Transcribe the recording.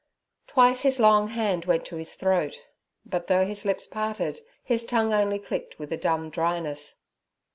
Twice his long hand went to his throat, but, though his lips parted, his tongue only clicked with a dumb dryness.